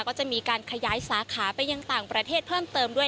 ก็จะมีการขยายสาขาไปยังต่างประเทศเพิ่มเติมด้วย